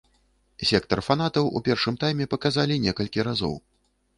Сектар фанатаў у першым тайме паказалі некалькі разоў.